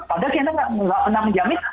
padahal china tidak pernah menjamin